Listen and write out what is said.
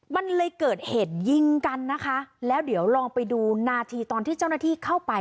มันเลยเกิดเหตุยิงกันนะคะแล้วเดี๋ยวลองไปดูนาทีตอนที่เจ้าหน้าที่เข้าไป